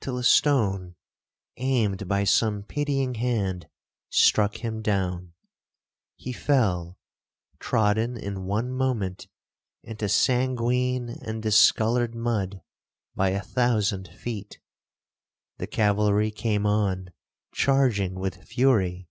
till a stone, aimed by some pitying hand, struck him down. He fell, trodden in one moment into sanguine and discoloured mud by a thousand feet. The cavalry came on, charging with fury.